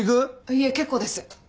いいえ結構です。